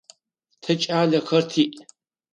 Тэ кӏалэхэр тиӏ.